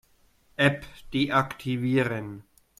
App deaktivieren.